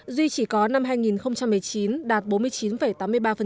duy chỉ có năm hai nghìn một mươi chín đạt bốn mươi chín tám mươi ba